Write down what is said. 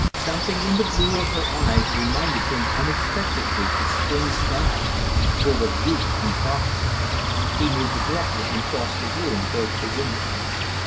Something in the blue of her eyes reminded him unexpectedly of spring skies full of youth and promise. He moved abruptly, and crossed the room towards the window.